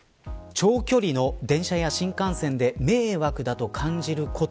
長距離の電車や新幹線で迷惑だと感じること。